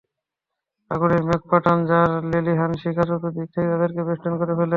আগুনের মেঘ পাঠান, যার লেলিহান শিখা চতুর্দিক থেকে তাদেরকে বেষ্টন করে ফেলে।